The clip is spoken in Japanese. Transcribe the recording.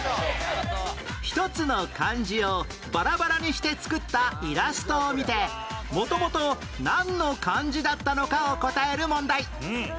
一つの漢字をバラバラにして作ったイラストを見て元々なんの漢字だったのかを答える問題